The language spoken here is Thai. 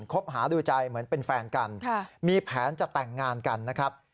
คบหาดูใจเหมือนเป็นแฟนกันมีแผนจะแต่งงานกันนะครับ